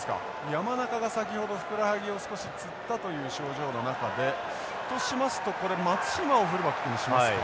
山中が先ほどふくらはぎを少しつったという症状の中でとしますとこれ松島をフルバックにしますか？